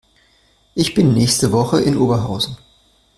Ich bin nächste Woche in Oberhausen